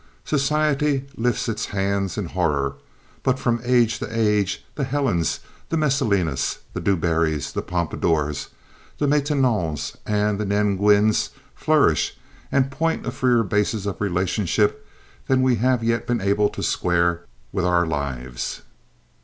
Society lifts its hands in horror; but from age to age the Helens, the Messalinas, the Du Barrys, the Pompadours, the Maintenons, and the Nell Gwyns flourish and point a freer basis of relationship than we have yet been able to square with our lives.